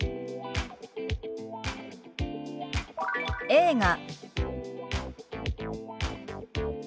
「映画」。